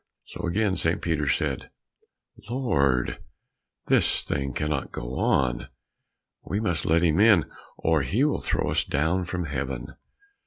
So again St. Peter said, "Lord, this thing cannot go on, we must let him in, or he will throw us down from Heaven."